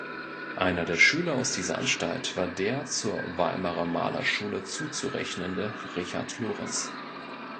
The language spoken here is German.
Einer der Schüler aus dieser Anstalt war der zur Weimarer Malerschule zuzurechnende Richard Lorenz.